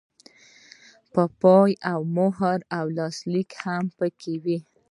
پای او مهر او لاسلیک هم پکې وي.